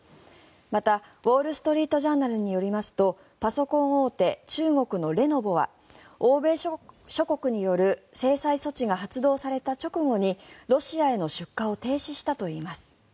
また、ウォール・ストリート・ジャーナルによりますとパソコン大手、中国のレノボは欧米諸国による制裁措置が発動された直後にロシアへの出荷を停止したといいます。